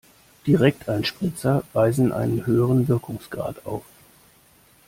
Direkteinspritzer weisen einen höheren Wirkungsgrad auf.